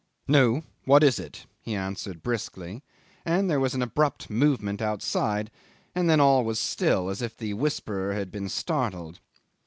"No! What is it?" he answered briskly, and there was an abrupt movement outside, and then all was still, as if the whisperer had been startled.